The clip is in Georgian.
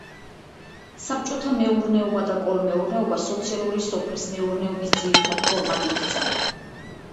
საბჭოთა მეურნეობა და კოლმეურნეობა სოციალური სოფლის მეურნეობის ძირითად ფორმად იქცა.